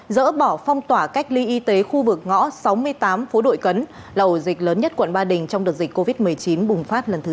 dỡ bỏ phong tỏa cách ly y tế khu vực ngõ sáu mươi tám phố đội cấn là ổ dịch lớn nhất quận ba đình trong đợt dịch covid một mươi chín bùng phát lần thứ tám